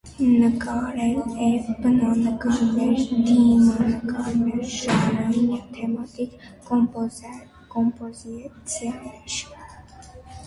Նկարել է բնանկարներ, դիմանկարներ, ժանրային և թեմատիկ կոմպոզիցիաներ։